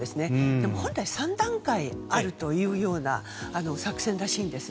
でも、本来３段階あるという作戦らしいんです。